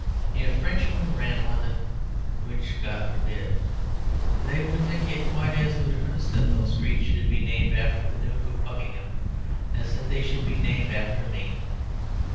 If Frenchmen ran London (which God forbid!), they would think it quite as ludicrous that those streets should be named after the Duke of Buckingham as that they should be named after me.